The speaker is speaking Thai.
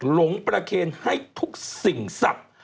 หลงประเครนให้ทุกสิ่งสัก